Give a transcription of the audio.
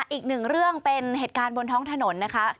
อีกหนึ่งเรื่องเป็นเหตุการณ์บนท้องถนนนะคะ